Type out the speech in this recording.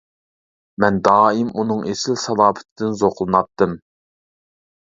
مەن دائىم ئۇنىڭ ئېسىل سالاپىتىدىن زوقلىناتتىم.